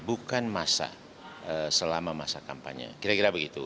bukan masa selama masa kampanye kira kira begitu